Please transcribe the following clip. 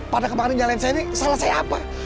pada kemarin jalan saya ini salah saya apa